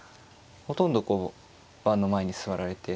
ほとんどこう盤の前に座られて。